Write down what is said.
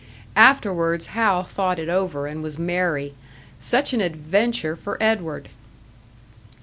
Afterwards Hal thought it over and was merry. Such an adventure for Edward!